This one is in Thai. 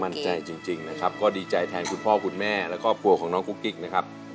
จริงนะครับก็ดีใจแทนคุณพ่อคุณแม่และครอบครัวของน้องกุ๊กกิ๊กนะครับ